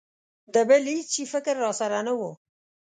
د بل هېڅ شي فکر را سره نه و.